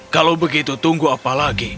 kalau begitu tunggu apa lagi